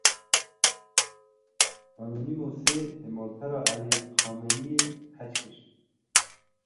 Anonymousê malpera Elî Xamineyî hack kir.